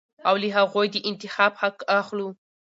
او له هغوى د انتخاب حق اخلو.